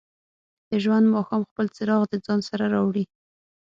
د ژوند ماښام خپل څراغ د ځان سره راوړي.